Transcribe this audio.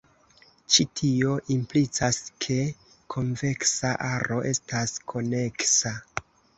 Ĉi tio implicas ke konveksa aro estas koneksa.